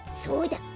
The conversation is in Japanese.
そうだ。